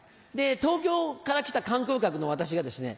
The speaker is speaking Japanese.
東京から来た観光客の私がですね